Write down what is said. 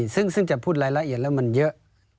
ซึ่งจะพูดรายละเอียดแล้วมันเยอะ